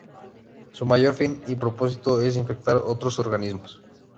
Su mayor fin y propósito es infectar otros organismos.